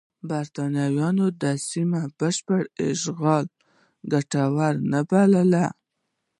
برېټانویانو د دې سیمې بشپړ اشغال ګټور نه باله.